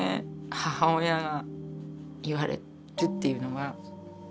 母親が言われるっていうのは。